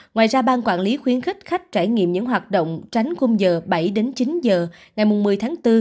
ngoài ra bang quản lý khuyến khích khách trải nghiệm những hoạt động tránh khung giờ bảy chín giờ ngày một mươi tháng bốn